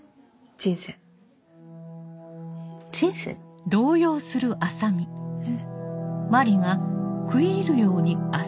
人生？え。